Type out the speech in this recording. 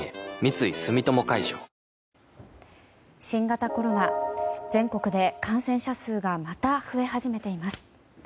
新型コロナ全国で感染者数がまた増え始めています。